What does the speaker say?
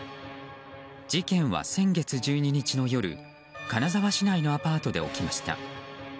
事件は先月１２日の夜金沢市内のアパートで起きました。